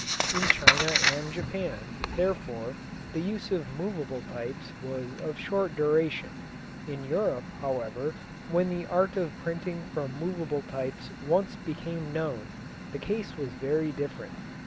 In China and Japan, therefore, the use of moveable types was of short duration. In Europe, however, when the art of printing from moveable types once became known, the case was very different.